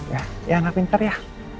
ya ya enggak pintar ya